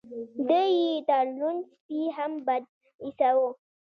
دی يې تر لوند سپي هم بد ايساوه.